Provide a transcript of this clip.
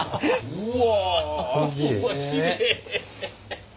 うわ！